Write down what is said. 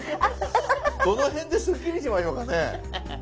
どの辺でスッキリしましょうかね。